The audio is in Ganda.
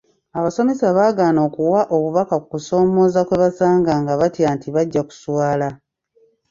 Abasomesa baagaana okuwa obubaka ku kusoomooza kwe basanga nga batya nti bajja kuswala.